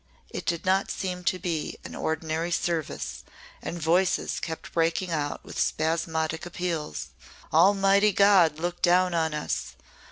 It did not seem to be an ordinary service and voices kept breaking out with spasmodic appeals, 'Almighty God, look down on us!'